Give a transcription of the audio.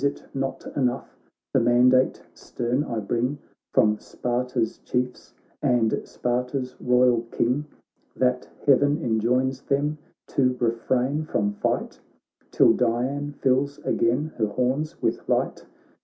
Is't not enough the mandate stern I bring From Sparta's Chiefs and Sparta's royal King, That heaven enjoins them to refrain from fight Till Dian fills again her horns with light?